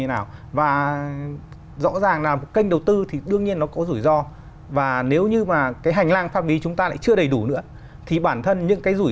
là đã có thể phát hành trái phiếu rồi